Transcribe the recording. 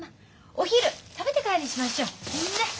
お昼食べてからにしましょう。ね！